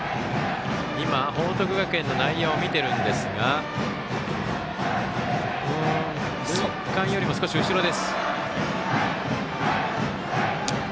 今、報徳学園の内野を見ているんですが塁間よりも少し後ろです。